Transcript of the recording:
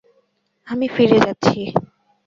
আমি ফিরে যাচ্ছি।